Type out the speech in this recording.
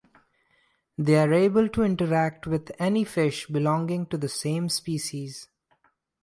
They are able to interact with any fish belonging to the same species.